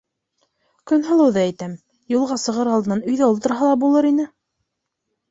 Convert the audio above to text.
Көнһылыуҙы әйтәм, юлға сығыр алдынан өйҙә ултырһа ла булыр ине.